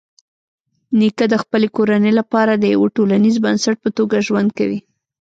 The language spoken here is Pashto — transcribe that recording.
نیکه د خپلې کورنۍ لپاره د یوه ټولنیز بنسټ په توګه ژوند کوي.